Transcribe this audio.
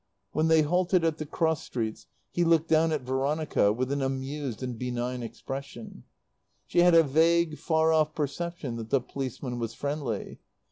When they halted at the cross streets he looked down at Veronica with an amused and benign expression. She had a vague, far off perception that the policeman was friendly.